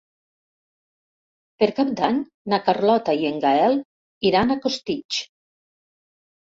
Per Cap d'Any na Carlota i en Gaël iran a Costitx.